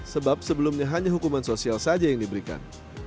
sebab sebelumnya hanya hukuman sosial saja yang diberikan